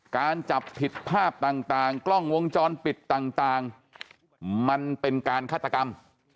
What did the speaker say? การจับผิดภาพต่างกล้องวงจรปิดต่างมันเป็นการฆาตกรรม